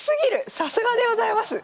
さすがでございます！